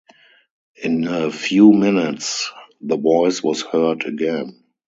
In a few minutes the voice was heard again.